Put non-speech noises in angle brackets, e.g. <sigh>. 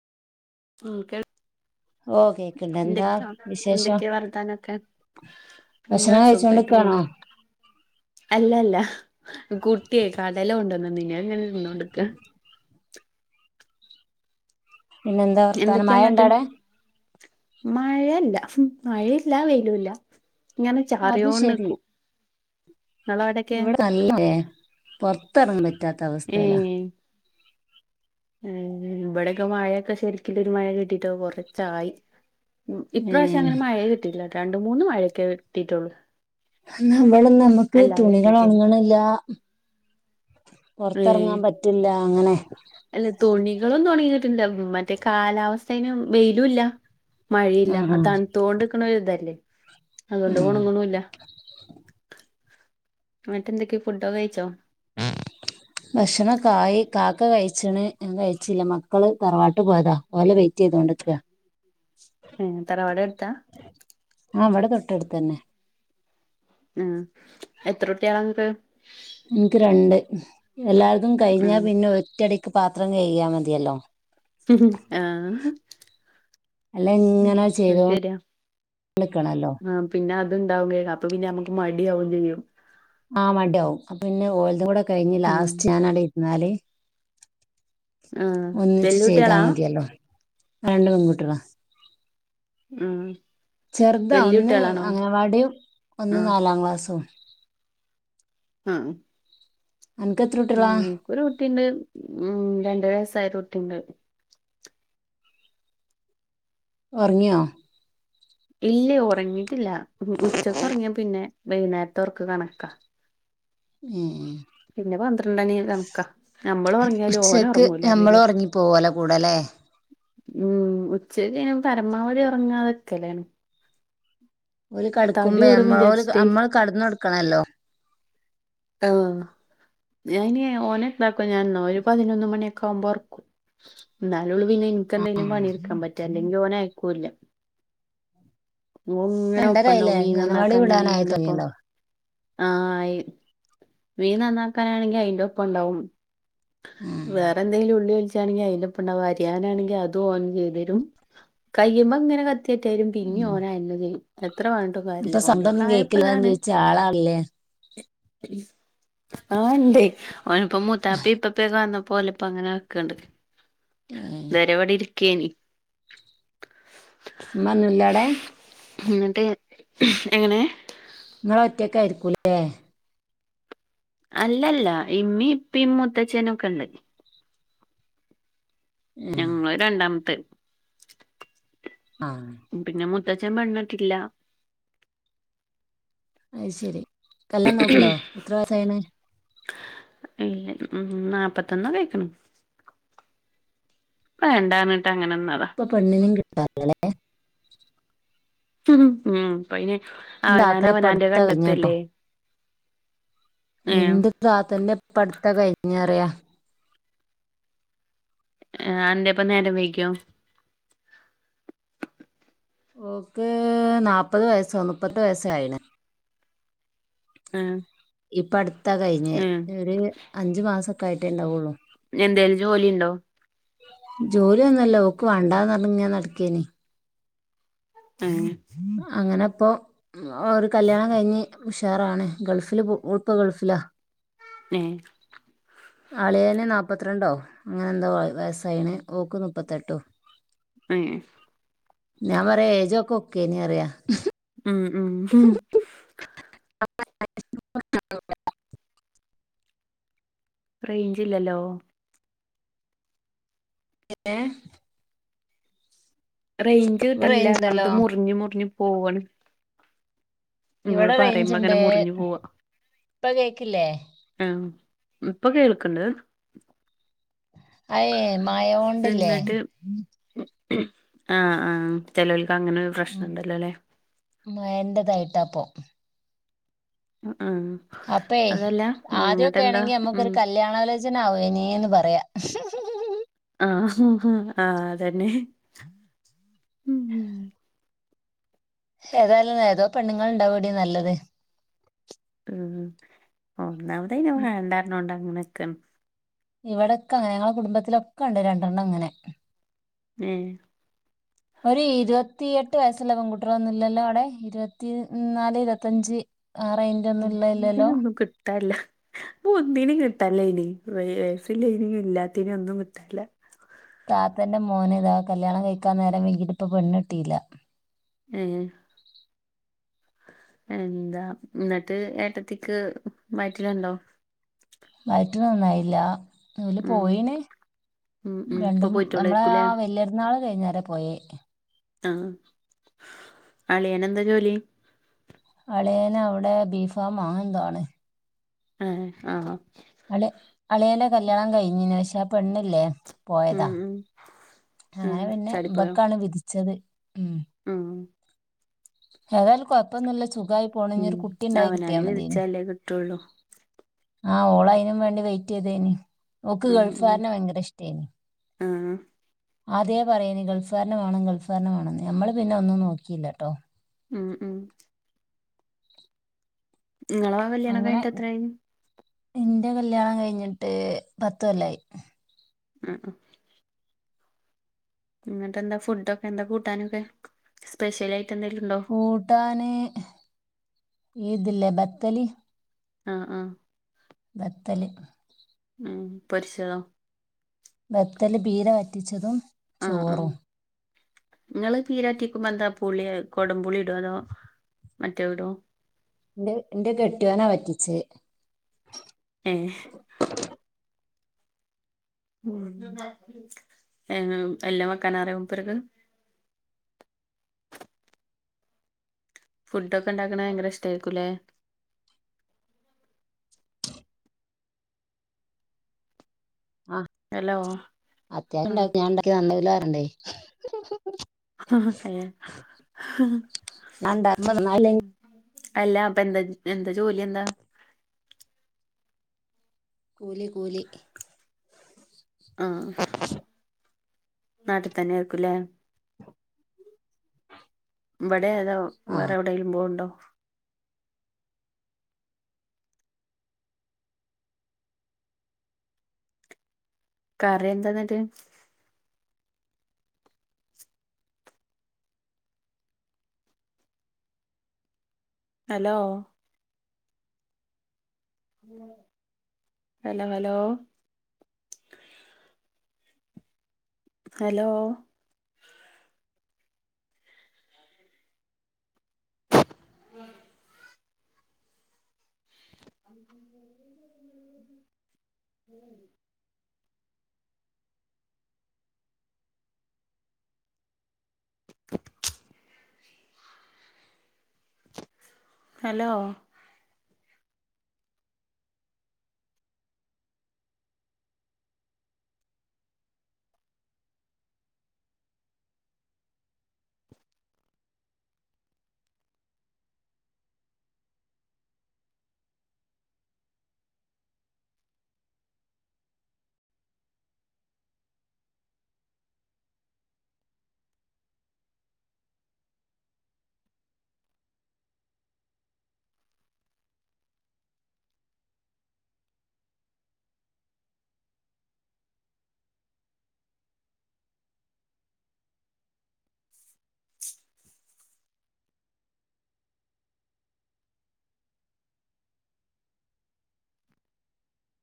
ഉം കേൾ- ഓ കേൾക്ക്ണ്ട് എന്താ എന്തൊക്കെയാ വിശേഷം? എന്തൊക്കെയാ വർത്താനൊക്കെ എന്താ ഭക്ഷണം കഴിച്ചോണ്ട്ക്കാണോ. അല്ല അല്ല കുട്ടി കടല കൊണ്ടുവന്ന്ണ്ട് അതിങ്ങനെ തിന്നോണ്ട്ക്കാ. പിന്നെന്താ വർത്താനം മഴ എന്തൊക്കെയാെന്നിട്ട് ഇണ്ടടെ മഴല്ല മഴയില്ല വെയിലുംല്ല. ഇങ്ങനെ അത് ശെരി ചാറിയോണ്ട്ക്കും. ഇവിടെ നല്ലല്ലേ പൊറത്തിറങ്ങാൻ പറ്റാത്ത അവസ്ഥയിലാ. ഉം ഉം ഇവിടെയൊക്കെ മഴയൊക്കെ ശരിക്ക് ഒരു മഴയൊക്കെ കിട്ടിട്ട് കൊറച്ചായി. ഉം ഏ ഇപ്രാവശ്യം അങ്ങനെ മഴ കിട്ടിയില്ല രണ്ട് മൂന്ന് മഴയൊക്കെ കിട്ടിട്ടുള്ളു. ന്നാ ഇവിടൊന്നും നമ്മുക്ക് തുണികൾ കിട്ടിയിട്ടില്ല ഒണങ്ങണില്ല. പുറത്തിറങ്ങാൻ പറ്റില്ല അങ്ങനെ. അല്ലെ തുണികളൊന്നും ഒണങ്ങിട്ടില്ല മറ്റേ കാലാവസ്ഥേനും വെയിലും ഇല്ല. ആ മഴയില്ല ആ അതണുത്തോണ്ട്ക്കണ ഇതല്ലേ. അതോണ്ട് ഉം ഒണങ്ങുണുംല്ല ന്നട്ട് എന്തൊക്കെ ഫുഡോക്കൊ കഴിച്ചോ? ഉം ഭക്ഷണം കായ കാക്ക കഴിച്ചണ് ഞാൻ കഴിച്ചില്ല മക്കള് തറവാട്ട് പോയതാ ഓലെ വെയിറ്റ് ചെയ്തോണ്ടിരിക്ക ഉം തറവാട് എടുത്താ ആഹ് ഇവടെ തൊട്ടെടുത്തന്നെ ഉം എത്ര കുട്ടിയാള ഇങ്ങക്ക് എനിക്ക് രണ്ട് എല്ലാർതും കഴിഞ്ഞാ പിന്നെ ഒറ്റയടിക്ക് പാത്രം കഴികിയാ മതിയല്ലോ ഹ് ഉം അഹ് അല്ലേ ഇങ്ങനെ ശരിയാ ചെയ്തോണ്ട് ക്കണല്ലോ ആ പിന്നെ അത്ണ്ടാവും വേകാഅപ്പാെപിന്നെ അമുക്ക് മടിയാവുംചെയ്യും ആഹ് മട്യാവും അപ്പൊപിന്നെ ഓൽതുംകൂടെ കൈഞ്ഞ് ഉം ലാസ്റ്റ് ഞാനട്ഇര്ന്നാല് ആ ഒന്നിച്ച് വല്യ ചെയ്താ കുട്ടികളാ മതിയല്ലോ ആഹ് രണ്ട് പെങ്കുട്ടിയോളാ ഉം ചെറ്താ വല്യ ഒന്ന് കുട്ടികളാണോ അങ്ങനവാടിം ആ ഒന്ന് നാലാം ക്ലാസ്സും ആഹ് അൻകൊത്രകുട്ടിയേളാ ഒരു കുട്ടിണ്ട് ഉം രണ്ടര വയസ്സായ ഒരു കുട്ടിണ്ട് ഒർങ്ങിയോ ഇല്ലൈ ഒറങ്ങീട്ട്ല്ല ഉംഹു ഉച്ചക്ക് ഒറങ്ങിയാ പിന്നെ വൈക്ന്നേര്ത്തെ ഒർക്ക് കണക്കാ ഏഹ് പിന്നെ പന്ത്രണ്ടണീ കൺക്കാ ഞമ്മളാെർങ്ങിയാലും ഓലൊർങ്ങൂലാര്നിലേ പാെവ്വാെല കൂടലേ ഉം ഉച്ചക്കൈന് പരമാവധി ഒറങ്ങാതൊക്കലാണ് ഓല്കട്ക്കുമ്പാെ കൂടും ഞമ്മളെഓല് വിചാരിച്ചിട്ടേ അമ്മള് കട്ന്നൊട്ക്കണല്ലോ ആഹ് ഞാഐനി ഓനെ എന്താക്കും ഞാൻനോ ഒരു പതിനൊന്ന് മണിയെക്കെ ആവുമ്പാെഒർക്കും ഇന്നാലാെള്ളു പിന്നെ ഇൻക്ക് എന്തേലും പണിയെട്ക്കാംപറ്റാ അല്ലെങ്കി ഓനയക്കൂല്ല ഓഇങ്ങനെ രണ്ടരായില്ലേ ഒപ്പണ്ടാവും മീൻ ഞാനവാടി നന്നാക്കാനാണെങ്കി വിടാനായി ഐന്റൊപ്പം തുടങ്ങിയല്ലോ ആഹ് ഐ വീൻ നന്നാക്കാനാണെങ്കി ഐന്റൊപ്പം ഉണ്ടാവും ഉം വേറെന്തെങ്കിലും ഉള്ളി ഒൽ റ്റ്യാണെങ്കി ഐന്റൊപ്പണ്ടാവും അരിയാനാണെങ്കി അതും ഓൻ ചെയ്തേരും കയ്യ്മ്മങ്ങനെ കത് ത്യട്ടിയാലും പിന്നിം ഉം ഓനയന്നെ ചെയ്യും എത്ര പർണ് ട്ടും ഇപ്പൊ കാര്യല്ല ഓന്റട്ത്ത് സൗണ്ടൊന്നും കേക്കില്ലാന്ന് പ്രായപ്പാെതാണ് ചോദിച്ച ആളാണല്ലേ ആഹ് ഇണ്ടേ ഓന്പ്പംമൂത്താപ്പിം ഇപ്പപ്പെക്കെ വന്നപ്പൊ ഓലെ ഇപ്പ അങ്ങനെ അവടെക്ക്ണ്ട് ഉം ഇതേവെരെ ഇവടെ ഇരിക്കേനി ഇമ്മന്നും ഇല്ലവടെ ഇന്ന്ട്ട് ഖും എങ്ങനെ ഇങ്ങളാെറ്റക്ക് ആയിരിക്കൂലേ അല്ലല്ല ഇമ്മിം ഇപ്പിം മൂത്തച്ചനും ഒക്കെ ഇണ്ട് ഉം ഞങ്ങള് രണ്ടാമത്തത് ആഹ് പിന്നെ മൂത്തച്ചൻ പെണ്ണട്ടില്ല അത് ശരി കല്ണം നോക്ക്ണ്ടോ എത്ര വയസ്സാഎണ്ണ് അ ഇല്ല ഉ ഉം നാപ്പത്താെന്നാെക്കെഐക്ക്ണ് ഇപേണ്ടാർണ് ട്ട് അങ്ങനെ നിന്ന്താ ഇപ്പൊ പെണ്ണിനിം കിട്ടാല്ലലേ ഉംഉം ഇപ്പ ഐന് ഇന്റെ അവനാന് താത്ത അവനാന്റെത് ഇപ്പട്ത്താ കഴിഞ്ഞേട്ടോ കണ്ടെത്ത്ല്ലേ ഇന്റെ താത്തന്റെ ഇപ്പട്ത്താ കൈഞ്ഞ് അറിയാ ആഹ് അന്റെപ്പം നേരം വൈകിയോ ഓക്ക് നാപ്പത് വയസ്സോ നുപ്പത്തെട്ട് വയസ്സോ ആയിണ് ഏഹ് ഇപ്പട്ത്താ കയിഞ്ഞ് ഏഹ് ഇഒര് അഞ്ച്മാസൊക്ക ആയിട്ടേ ഇണ്ടാവാെള്ളു ഇഞ്ഞെന്തേലും ജോലി ഇണ്ടോ ജോലിയൊന്നുംല്ല ഓക്ക് വാണ്ടാന്നർണ് ഇങ്ങനെ നടക്കേന്നെ അങ്ങനെ അങ്ങനെപ്പൊ ഉം ഒര് കല്യാണം കയിഞ്ഞ് ഉഷാറാണ് ഗൾഫില് പൊ ഓള് ഇപ്പൊ ഗൾഫിലാ നേ അളിയേന് നാപ്പത്രണ്ടോ അങ്ങനെ എന്തോ വയ വയസ്സായിണ് ഓക്ക് നുപ്പത്തെട്ടും ഏയ്‌ ഞാൻ പറയാ ഏജാെക്കെ ഒക്കേ നെറ്യയ ഉം ഉം ഹും റേഞ്ച് ഇല്ലല്ലോ? ഏന്നെ റേഞ്ച് ഇവിടെ കിട്ടണില്ല റേഞ്ച് ഉണ്ടല്ലോ നിങളുടേത് മുറിഞ്ഞ് മുറിഞ്ഞ് പോവാണ് ഇങ്ങള് ഇവിടെ റേഞ്ച് പറയുമ്പോ അങ്ങനെ ഇണ്ട്. മുറിഞ്ഞു പോവാ ഇപ്പൊ കേക്കില്ലേ? ആ ഇപ്പൊ കേൾക്കണ്ട് അയെ മായോൺ എന്നിട്ട് ആ ആ ചിലവർക്ക് അങ്ങനെ ഒരു പ്രശ്നുണ്ടല്ലോ അല്ലെ? മഴണ്ണ്ടാതായിട്ടാപ്പൊ ആഹ്. അപ്പേ ആദ്യോക്കെ ആണെങ്കി നമുക്കൊരു ഉം കല്യാണലോചന ആവുനി പറയാ. ആഹ ഹുംഹും ആ തന്നെ. ഏതായാലും ഏതോ പെണ്ണുങ്ങള്ണ്ടാവടി നല്ലത്. മ് ഒന്നാമത് അയ്ന് വേണ്ടാന്ന്റഞ്ഞോണ്ട ഇങ്ങനെക്ക്ണ് ഇവിടൊക്കെ അങ്ങനാ. ഞങ്ങളുടെ കുടുംബത്തിലൊക്കെ ഉണ്ട് രണ്ടെണ്ണം അങ്ങനെ. മ് ഒരു ഇരുപത്തിയെട്ട് വയസ്സുള്ള പെൺകുട്ടികൾ ഒന്നുംല്ലല്ലോ അവിടെ? ഇരുപത്തി നാല് ഇരുപത്തിഞ്ച് ആ റേഞ്ച്‌ ഒന്നും ഇല്ല ഇല്ലല്ലോ കിട്ടനില്ല ഇപ്പ ഒന്നിനേം കിട്ടനില്ല ഇനി. വയസുള്ളേനെയും ഇല്ലാത്തിനെയും ഒന്നും കിട്ടില്ല. താത്തന്റെ മോന ഇതാ കല്യാണം കഴിക്കാൻ നേരം വേകീട്ട് ഇപ്പം പെണ്ണിട്ടില്ല. ഹേ എന്താ ന്നിട്ട് ഏട്ടത്തിക്ക് വറ്റിലുണ്ടോ? വയറ്റിലോന്നുമായില്ല. ഓല് ഉം പോയിന് ഉം ഉം ഇപ്പൊ രണ്ടും നമ്മളെ പോയിട്ടോളേക്കൂലേ ആ വലിയപെരുന്നാള് കഴിഞ്ഞേരം പോയേ. ആഹ അളിയൻ എന്താ ജോലി? അളിയൻ അവിടെ ബീഫമോ അങ്ങനെന്തോ ആണ്. ആഹ ആഹ അളി അളിയല്ലെ കല്യാണം കഴിഞ്ഞിനു പക്ഷെ ആ പെണ്ണില്ലേ പോയതാ <unintelligible> ആ അങ്ങനെ പിന്നെ ചാടിപ്പോയോ ഇബക്കാണ് വിധിച്ചത് ഉം ഏതാലും കുഴപ്പന്നുമില്ല. സുഖമായി പോണു. ഇനി ഒരു ഉം കുട്ടി ഉണ്ടായി കിട്ടിയാ അവനാന് മതീന്. വിധിച്ചാലേ കിട്ടുള്ളൂ ആഹ് ഓൾ അയിനും വേണ്ടി വെയിറ്റ് ചെയ്തേനി. ഓൾക്ക് ഉം ഗൾഫ് ഉം കാരനെ ഭയങ്കര ഇഷ്ടേന്. ആ അദ്യെ പറയുന് ഗൾഫ് കാരനെ വേണം ഗൾഫുകാരനെ വേണം നമ്മള് പിന്നെ ഒന്നും നോക്കിയില്ലട്ടോ ഉം ഉ നിങ്ങളെ കല്യാണം അങ്ങനെ കഴിഞ്ഞിട്ട് എത്രായി എന്റെ കല്യാണം കഴിഞ്ഞിട്ട് പത്ത് കൊല്ലായി. ആ എന്നിട്ടെന്താ ഫുഡൊക്കെ എന്ത കൂട്ടാനൊക്കെ? സ്പെഷ്യൽ ആയിട്ട് എന്തെങ്കിലും ഉണ്ടോ? കൂട്ടാന് ഇതില്ലേ ബത്തൽ. ആഹ ആഹ ബത്തൽ. ഉം പൊരിച്ചതോ? ബത്തല് ബീര വറ്റിച്ചതും ആഹ് ആഹ് ചോറും നിങ്ങള് പീരാറ്റിക്കുമ്പ എന്താ പളി കൊടംപളി ഇട അതോ മറ്റേ ഇടോ ന്റെ ഇന്റെ കെട്ടിയോന വറ്റിച്ചേ ഏഹ് ഉം ഐ എല്ലും വക്കനാറിയോ മൂപ്പർക്ക് ഫുഡ് ഒക്കെ ഉണ്ടാക്കണ ഭയങ്കര ഇ്ടമായിരിക്കൂല്ലേ ആഹ് ഹലോ <unintelligible> ഞൻ ആ ഉണ്ടാക്കി നന്നായില പറയണ്ടെ ആ അ <unintelligible> ഞാൻ ഉണ്ടാക്കുമ്പോ നന്നായില്ലെങ്കിൽ അല്ലാ അപ്പ എന്ത എന്ത ജോലി എന്ത കൂലി കൂലി ആഹ് നാട്ടിൽ തന്നെ ആയിരിക്കും ല്ലേ? ഇവിടെ അതോ ആ വേറെ എവിടെലും പോവണ്ടോ? കറി എന്താന്നിട്ട്? ഹലോ. Hello hello. ഹലോ. ഉം <unintelligible> ഹലോ. <unintelligible>